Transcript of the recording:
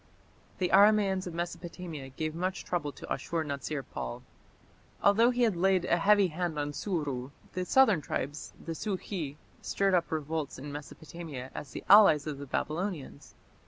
The Aramaeans of Mesopotamia gave much trouble to Ashur natsir pal. Although he had laid a heavy hand on Suru, the southern tribes, the Sukhi, stirred up revolts in Mesopotamia as the allies of the Babylonians.